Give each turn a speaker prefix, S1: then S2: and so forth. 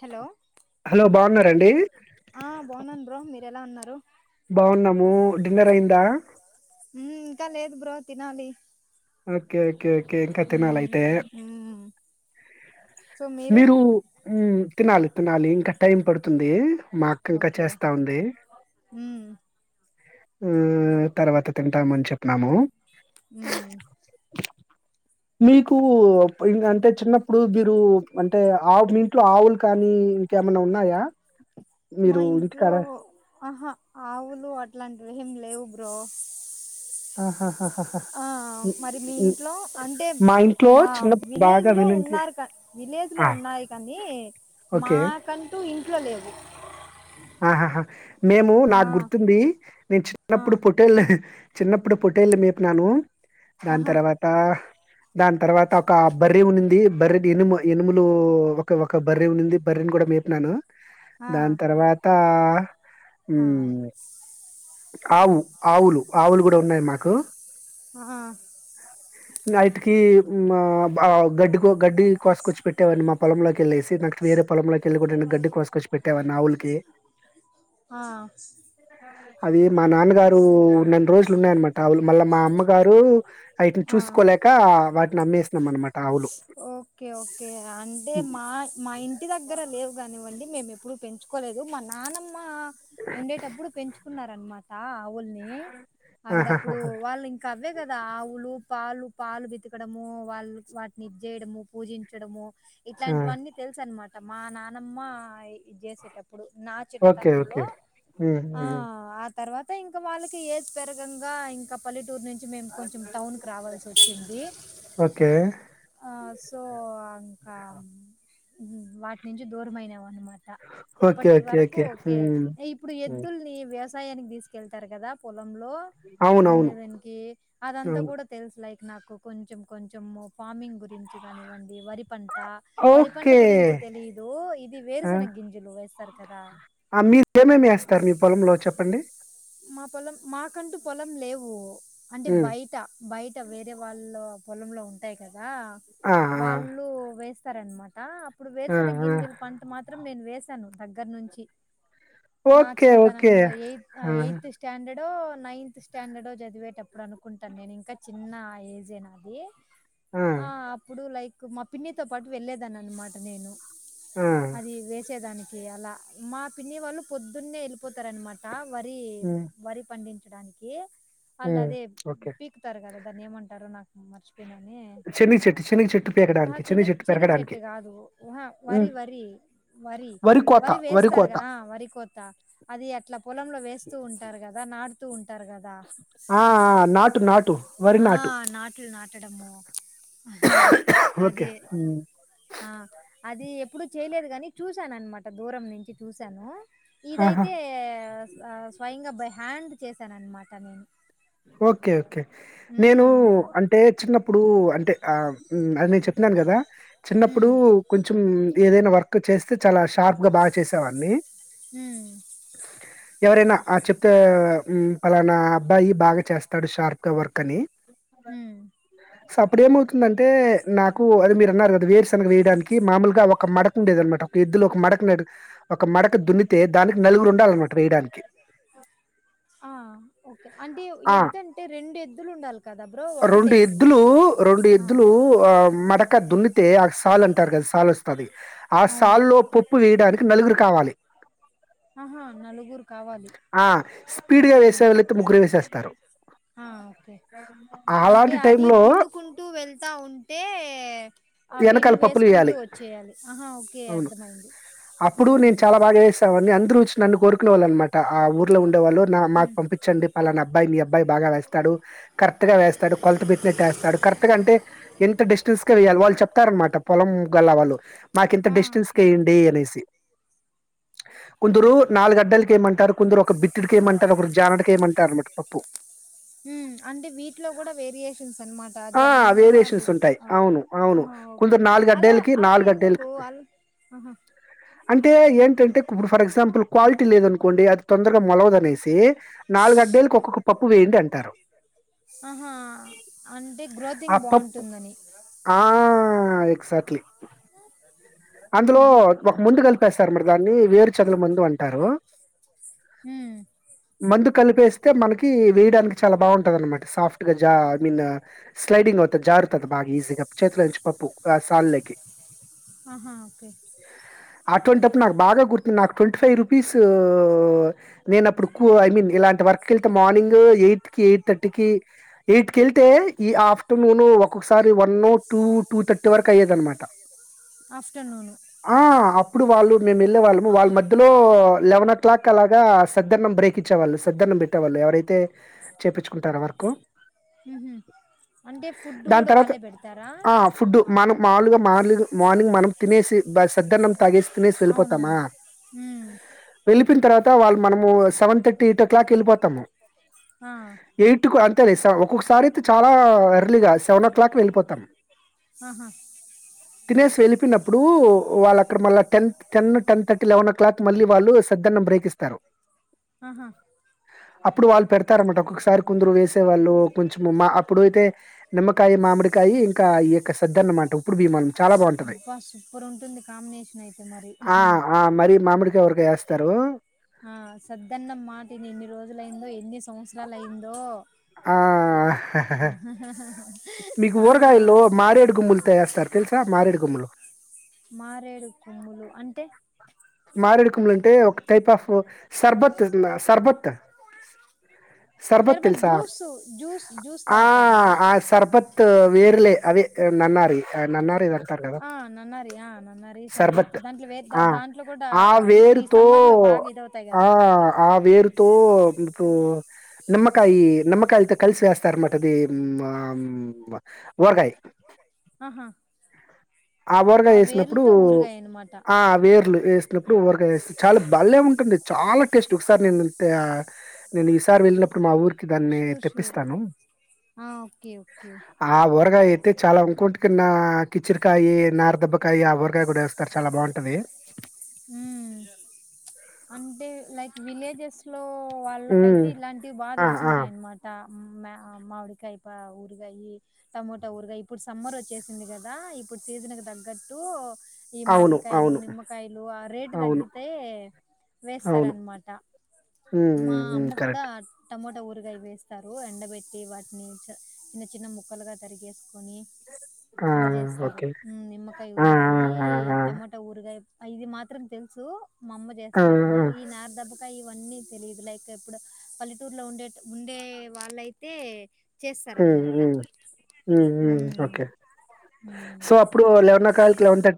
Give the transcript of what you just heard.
S1: Hello
S2: hello బాగున్నరా అండి
S1: ఆ బాగున్నాను బ్రో మీరు ఎలా ఉన్నారు
S2: బాగున్నాము డిన్నర్ అయిందా
S1: ఉ ఇంకా లేదు బ్రో తినాలి
S2: ఓకే ఒకే ఓకే ఓకే ఇంకా తినాాల
S1: మ్మ్
S2: అయితే
S1: మ్మ్
S2: మీరు తినాలి తినాలి ఇంక టైం పడుతుంది తుంది మా అక్క ఇంకా
S1: ఓకే
S2: చేస్తా ఉంది
S1: మ్మ్
S2: తర్వాత తింటామని చెప్పన్నాము
S1: మ్
S2: మీకు అంటే చిన్నప్పుడు మీరు అంటే ఆవు మీంట్లో ఆవులు కానీ ఇంకేమన్నా ఉన్నాయా
S1: మా
S2: మీరు
S1: ఇంట్లో
S2: ఇంటికాడ
S1: ఆహా ఆవులు అట్లాంటివి ఏమి లేవు బ్రో
S2: ఆహాహాహాహా.
S1: ఆ
S2: ఉ-
S1: మరి మీ
S2: ఉ-
S1: ఇంట్లో అంటే
S2: మా ఇంట్లో
S1: మా
S2: చిన్న
S1: విలేజ్
S2: బాగా
S1: లో
S2: వినంటే
S1: ఉన్నారు విలేజ్ లో
S2: ఆ,
S1: ఉన్నాయి కానీ
S2: ఓకే
S1: మాకంటూ ఇంట్లో లేదు
S2: ఆహాహా మేము నాకు గుర్తుంది నేను
S1: ఆ
S2: చిన్నప్పుడు పొటేల్ చిన్నప్పుడు పొటేళ్లు మేపినాను దాని
S1: ఆహా
S2: తర్వాత దాని తర్వాత ఒక బర్రీ ఉనింది బర్రీ ఎనుము ఎనుములు ఒక ఒక బర్రీ ఉనింది బర్రీని కూడా మేపినను
S1: మ్
S2: తర్వాతా మ్ ఆవు ఆవులు ఆవులు కూడా ఉన్నాయి మాకు
S1: మ్
S2: నైట్కి గడ్డి గడ్డి కోసుకొచ్చి పెట్టేవాడిని మా పొంలోకిళ్ేసి నాకు వేరేొంలోకిళ్ళి కూడా గడ్డి కోసుకొచ్చిట్టేవాడిని ఆవుకి
S1: మ్
S2: అది మా నాన్నగారు హమ్ నెల్ రోజులు ఉన్నాయన్నమాట ఆవులు మళ్ళా మా అమ్మగారు అటిని
S1: ఆ
S2: చూసుకోలేక వాటిని అమ్మేసినం అనమాట ఆవులు
S1: ఓకే ఓకే అంటే మా మా ఇంటి దగ్గర లేవు కానివ్వండి మేము ఎప్పుడు పెంచుకోలేదు మా నాన్నమ్ ఉండేటప్పుడు పెంచుకున్నర్ అన్మాట ఆవుల్ని ఆవిడ అప్పుడు
S2: ఆహాహాహా!
S1: వాళ్ ఇంక అవే కదా ఆవులు పాలు పాలు బితకడము వాళ్ళు వాటిని చేయడము పూజించడము
S2: ఆ!
S1: ఇట్లాంటివన్నీ తెలుసు అనమాట మా నానమ్మ ఇది జెసెటప్ ఇప్పుడు నా
S2: ఓకే. ఓకే.
S1: చిన్నతనంలో
S2: హ్మ్. హ్మ్.
S1: ఆ తర్వాత ఇం ఇంకా వాళ్ళకి ఏజ్ పెరగంగా ఇంకా పల్లెటూరు నుంచి కొ మేము కొంచెం టౌన్కి రావాల్సి వచ్చింది
S2: ఓకే.
S1: సో ఇంకా వాటి నుంచి దూరమైనం అన్నమాట
S2: ఓకే.
S1: అప్పటి
S2: ఓకే.
S1: వరకు ఓకే
S2: హ్మ్.
S1: ఇప్పుడు
S2: హ్మ్.
S1: ఎద్దుల్ని వే తీసు వెళ్తరు కద పో లో దున్న
S2: అవునవును.
S1: దనికి అదంతా
S2: అవును.
S1: కూడ తెలుసు లైక్ నాకు కొంచెం కొంచం ఫార్మింగ్ గురించి కానివ్వండి వరి పంట వరి పంట
S2: ఓకే.
S1: గురించి తెలిదు ఇది
S2: ఆ!
S1: వేరుశన గింజులు వేస్తరు కదా
S2: ఆ మీరు ఏమేమి వేస్తారు మీ పొలంలో చెప్పండి
S1: మా పొలం మాకంటూ పొలం లేవు అంటే
S2: హ్మ్.
S1: బయట బయట వేరే వాళ్ళు పొలంలో ఉంటాయి కద ద
S2: ఆ! ఆ!
S1: వాళ్ళు వేస్ సరే అనమాట ఇప్పుడు
S2: ఆ!
S1: వర్సెనాగ్
S2: ఆ!
S1: గింజలు పంట మాత్రం నేను వేస్ చూసాను దగ్గర నుంచి నా
S2: ఒకే ఒకే
S1: స్టాండర్డ్ ఓ నైన్త్ స్టాండర్డ్ ఓ చదివేటప్పుడు అనుకుంటాను నేను ఇంకా చిన్న ఏజే నాది ఆ అప్పుడు లైక్ మా పిన్నితో పాటు వెళ్లేదాని అనమాట నేను
S2: ఆ!
S1: అది వేసేదానికి యలా మా పిన్ని వాళ్ళు పొద్దున్నే వెళ్ళిపోతరు అనమాట
S2: హ్మ్.
S1: మరి పండించడానికి అల్ల
S2: హ్మ్.
S1: అదే
S2: ఓకే.
S1: పీక్తారు కదా దాన్ని ఏమంటారు నాకు మర్చి చెప్పినానె
S2: శనగ చెట్టు, శనగ చెట్టు పీకడానికి, శనగ
S1: చిని చినికి చెట్టు
S2: పెరగడానికి.
S1: కాదు అహ
S2: హ్మ్.
S1: వరి వరి వరి వరి వేస్తారు కదా ఆ వరి కోత అది అట్లా పొలంలో వేస్తూ ఉం కదా నాటుతూ ఉం టారు కదా
S2: ఆ ఆ నాటు నాటు వరి
S1: ఆ
S2: నాటు
S1: నాట్లు నాటడము హ్ హ్
S2: ఓకే
S1: అదే
S2: హ్మ్.
S1: అ అది ఎప్పుడుూ చేయలేదు కాని చూసాను అనమాట దూరం నుంచి చూశాను
S2: ఆహా!
S1: ఇదైతే ఇంక బై హ్యాండ్ చేశాను అనమాట నేను
S2: ఓకే ఓకే నేను
S1: హ్మ్.
S2: అంటే చిన్నప్పుడు అంటే ఆ అది నేను చెప్పానాను కదా చిన్నప్పుడు
S1: హ్మ్.
S2: కొంచెం ఏదైనా వర్క్ చేస్తే చాలా షార్ప్ గా బాగా చేసేవాడిని
S1: హ
S2: ఎవరైనా ఆ చెప్తే ఉ పలానా అబ్బాయి బాగా చేస్తాడు షార్ప్ గా వర్క్ అని
S1: హ
S2: సో అప్పుడు ఏమవుతుందంటే నాకు అది మీరు అన్నారు కదా వేరుశనగ వేయడానికి మామూలుగా ఒక మడక ఉండేదనమాట ఒక ఎద్లో ఒక మడక ఒక మడక దున్నితే దానికి నలుగురు ఉండాలన్నమాట వేయడానికి
S1: ఆ! ఓకే. అంటే
S2: ఆ
S1: ఎద్దంటే ఎద్దులుండాలి కదా బ్రో!
S2: రెండు
S1: ఒక్కటేనా?
S2: ఎద్దులు రెండు
S1: ఆ!
S2: ఎద్దులు మడక దున్నిత్ అయితే ఆ సాలు అంటారు కదా సాలు వస్తాది ఆ
S1: అవును.
S2: సాలు లో ప ప్పు వేయడానికి నలుగురు కావాలి
S1: ఆహా నలుగురు కావాలి
S2: ఆ! స్పీడ్‌గా వేసేవాళ్ళైతే ముగ్గురు వేసేస్తారు.
S1: ఆ ఓకే అంటే
S2: అలాంటి
S1: అది
S2: టైంలో
S1: దున్నుకుంటూ వెళ్తా ఉంటే ఆ
S2: వెనకాల
S1: విల్లు
S2: పప్పులు
S1: వేసుకుంటూ
S2: వేయాలి
S1: వచ్చేయాలి. ఆహా! ఓకే.
S2: అవును
S1: అర్థమైంది.
S2: అప్పుడు నేను
S1: హ్మ్.
S2: చాలా బాగా వేసేవాన్నీ అందరూ వచి నన్ను కోరుకునే వాళ్లు అనమాట ఆ ఊర్లో ఉ వాళ్ళు మాకు
S1: హ్మ్
S2: పంపించండి పలానా అబ్బాయిని అబ్బాయి బాగ వేస్తాడు కరెక్ట్గా వేస్తాడు కొలత పెట్నీనట్టేస్తాడు కరెక్ట్గా అంటే ఎంత డిస్టెన్స్ కి వేయాలి వాళ్ళు చెప్ చెప్తానర మాట పొలం గల వాళ్లు మాకి ఇంత
S1: ఆ
S2: డిస్టెన్స్ కి
S1: ఓకే
S2: వేయండి అనేసి కొందరు నాలుగు అడ్డలకి ఏయమంటారు కొందరు ఒక బిత్తుడికి ఏయమంటారు ఒకరు జానడికి ఏయమంటారు అన్నమాట పప్పు
S1: హ్మ్ అంటే వీటిలో కూడా వేరియేషన్స్ అన్నమాట
S2: ఆ!
S1: జానా
S2: వేరియేషన్స్ ఉంటాయి. అవును. అవును.
S1: ఆ
S2: కొందరు
S1: అలా
S2: అడ్డేలకి
S1: అలా ఎందుకు
S2: అడ్డేలకి
S1: అ
S2: అంటే ఏం అంటే ఇప్పుడు ఫర్ ఎగ్జాంపుల్ క్వాలిటీ లేదనుకోండి అది తొందరగా మొలవదనేసి నాలుగు అడ్డెలకు ఒక్కొక్క పప్పు వేయండి అంటారు
S1: ఆహా అంటే
S2: ఆ
S1: గ్రోతింగ్
S2: పప్
S1: బావుంటుందని
S2: ఆ ఎగ్జాట్లీ అందులో
S1: ఊహూ
S2: ఒక ముందు కలిపేస్తారున్నమాట దాన్ని వేరు చదల ముందు అంటారు
S1: హ్మ్
S2: ముందు కలిపేస్తే మనకి వేయడానికి చాలా బావుంటదన్నమాట సాఫ్ట్ గా జా ఐ మీన్ స్లైడింగ్ అవుతుంది జారుతుంది బాగా ఈజీగా చేతిలో నుంచి పప్పు సాన్లేకి
S1: ఆహా
S2: అటువంటప్పుడు నాకు బాగా గుర్తుంది నాకు ట్వంటీ ఫైవ్ రూపీసూ నేనప్పుడు కూ ఐ మీన్ ఇలాంటి వర్క్ కి వెళ్తే మార్నింగ్ ఎయిట్ కి ఎయిట్ థర్టీ కి ఎయిట్ కి వెళ్తే ఈ ఆఫ్టర్నూన్ ఒక్కొక్కసారి వన్ను టూ టూ థర్టీ వరకు అయ్యేది అన్నమాట.
S1: ఆఫ్టర్నూను
S2: ఆ అప్పుడు వాళ్ళు మేము వెళ్ళే వాళ్ళము వాళ్ళు మధ్య లో లెవనో క్లాక్ అలాగ సద్దన్నం బ్రేక్ ఇచ్చేవాళ్ళు సద్దన్నం పెట్టేవాళ్ళు ఎవరైతే చేపించుకుంటారో వర్కు
S1: ఊహూ అంటే ఫుడ్
S2: దాని
S1: కూడా
S2: తర్వాత
S1: వాళ్ళే పెడతారా
S2: ఆ ఫుడ్ మనం మామూలుగా మాములు మార్నింగ్ మనం మేసి బి సద్దన్నం తాగిసితినేసి వెళ్ళిపోతామా
S1: అవునవును హ్మ్
S2: వెళ్ళి [unintelligible] తర్వాత వాళ్ మనము seven thirty eight o'clock వెళ్ళిపోతాము
S1: ఆ
S2: ఎయిట్ కి అంతేలే ఒకొక్కసారి అయితే చాలా ఎర్లీగా సెవెన్ ఓ క్లాక్ కి వెళ్ళిపోతాము
S1: ఆహా
S2: తినేసి వెళ్ళిపోయినప్పుడు ఇప్పుడు వాళ్ళక్కడ మళ్ళ ten ten ten thirty eleven o'clock మళ్ళీ వాళ్ళు సద్దన్నం బ్రేక్ ఇస్తారు
S1: ఆహా
S2: అప్పుడు వాళ్ళు పెడతారమాట ఒక్కసారి కుందరు వేసే వాళ్ళు కొంచెం మా అప్పుడుయితే నిమ్మకాయ మామిడికాయ ఇంకా ఈ యొక్క సద్ద్దన్నమాట ఉప్పుడు బియ్యం చాలా బాగుంటది
S1: అబ్బా సూపర్ ఉంటుంది కాంబినేషన్ అయితే
S2: ఆ
S1: మరి
S2: ఆ మరి మామిడికాయ ఎవరికి వేస్తారు
S1: ఆ సద్దన్నం మాటిని ఎన్ని రోజులయిందో ఎన్ని సంవత్సరాలు అయిందో
S2: ఆ! మీకు
S1: ఆ
S2: ఊరగాయల్లో మారేడు గుమ్ములతో ఎస్తారు తెలుసా? మారేడు గుమ్ములు.
S1: మారేడు కొమ్ములు అంటే
S2: మారేడుకుమ్ములు అంటే ఒక టైప్ ఆఫ్ సర్బత్ సర్బత్ సర్బత్
S1: షర్బత్
S2: తెలుసా
S1: జ్యూస్ జ్యూస్ జ్యూస్
S2: ఆ
S1: తాగుతారు
S2: ఆ సర్బత్ వేర్లే అవే నన్నారి నన్నార వెళ్తరు కదా
S1: ఆ నన్నారి ఆ నన్నారి షర్బత్
S2: సర్బత్
S1: దాంట్లో వే
S2: ఆ
S1: దాంట్లో కూడా
S2: ఆ
S1: ఇప్పుడు ఈ
S2: వేరుతో
S1: సమ్మర్ లో బాగా ఇదవుతాయి
S2: ఆ
S1: కదా
S2: ఆ వేరుతో నిమ్మకాయ నిమ్మకాయలు తో కలిసి వేస్తరాన మాట ఊరగాయ
S1: ఆహా
S2: ఆ ఊరగాయ వేసినప్పుడు
S1: వేర్లతో ఊరగాయ అనమాట
S2: ఆ వేర్లు వేసినప్పుడు ఊరగాయ వేస్తారు చాలా బలే ఉంటు ఉంటండి చాలా టేస్ట్ ఒకసారి నేను నేను ఒకసారి వెళ్ళినప్పుడు మా ఊరికి దాన్ని
S1: షూర్ షూర్
S2: తెప్పిస్తాను
S1: ఆ ఓకే ఓకే
S2: ఆ ఊరగాయ అయితే చాలా ఇంకొంటి కన్నా కిచెన్ కాయే నారదేబ కాయగా ఊరగాయ కూడా వస్తారు చాలా బాగుంట టది
S1: ఉమ్ అంటే లైక్ విలేజెస్ లో ఓ
S2: హ్మ్.
S1: వాళ్ళకైతే ఇలాంటివి బాగా
S2: ఆ! ఆ!
S1: తెలుసుంటాయి అన్నమాట మా మామిడికాయ ప ఊరగాయ టమోటా ఊరగాయ ఇప్పుడు సమ్మర్ వచ్చేసింది కదా ఇప్పుడు సీజన్ కి తగ్గట్టు ఈ
S2: అవును.
S1: మామిడి కాయలు
S2: అవును.
S1: నిమ్మకాయలు రేటు
S2: అవును.
S1: తగ్గితే
S2: అవును.
S1: వేస్తారనమాట
S2: హ్మ్.
S1: మా
S2: హ్మ్. హ్మ్.
S1: అమ్మ కూడా
S2: కరెక్ట్.
S1: టమోటా ఊరగాయ వేస్తారు ఎండబెట్టి వాటిని చిన్న చిన్న ముక్కలుగా తరిగేసుకొని
S2: ఆ!
S1: అలా చేస్తారు
S2: ఓకే.
S1: నిమ్మకాయ
S2: ఆ!
S1: ఊరగాయి
S2: ఆ! ఆ!
S1: టమాటా ఊరగాయ ఇది మాత్రం తెలుసు మా అమ్మ
S2: ఆ! ఆ! ఆ!
S1: చేస్తారని ఈ నార దెబ్బకాయ ఇవన్నీ తెలియదు లైక్ ఇప్పుడు పల్లెటూరులో ఉండే ఉండే వాళ్ళయితే
S2: ఉమ్ ఉమ్ ఉమ్ ఉమ్
S1: హ్మ్.
S2: ఓకే
S1: హ్మ్.
S2: సో అప్పుడు eleven o'clock eleven thirty